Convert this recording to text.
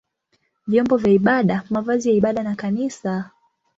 vyombo vya ibada, mavazi ya ibada na kanisa.